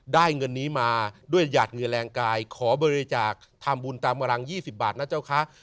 ได้เงินนี้มาด้วยหยาดเหงื่อแรงกายขอบริจาคทำบุญตามกำลัง๒๐บาทนะเจ้าคะ